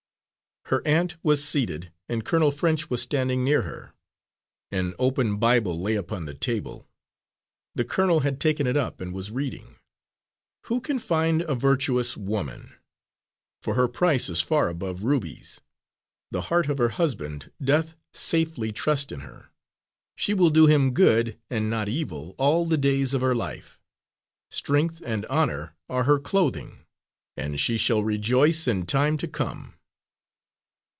Her aunt was seated and Colonel French was standing near her. An open Bible lay upon the table. The colonel had taken it up and was reading: "'Who can find a virtuous woman? For her price is far above rubies. The heart of her husband doth safely trust in her. She will do him good and not evil all the days of her life. Strength and honour are her clothing, and she shall rejoice in time to come.'